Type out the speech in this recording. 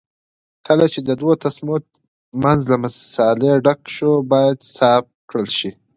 کله چې د دوو تسمو منځ له مسالې ډک شو باید صاف کړل شي.